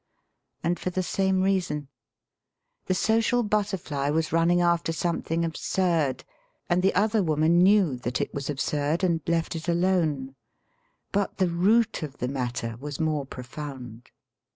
And for the same reason. The social butterfly was running after something absurd, and the other woman knew that it was absurd and left it alone. But the root of the matter was more pro found.